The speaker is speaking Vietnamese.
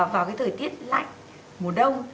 vào cái thời tiết lạnh mùa đông